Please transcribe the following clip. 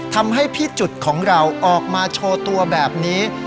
ทำให้พี่จุดของเราออกมาโชว์ตัวแบบนี้